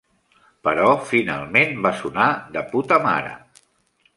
Però finalment va sonar de puta mare.